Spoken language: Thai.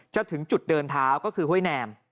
ถึงจุดเดินเท้าก็คือห้วยแนม